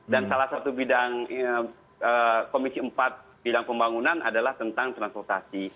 dan salah satu bidang komisi empat bidang pembangunan adalah tentang transportasi